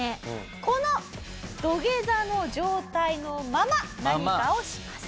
この土下座の状態のまま何かをします。